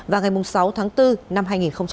và ngày sáu tháng bốn năm hai nghìn hai mươi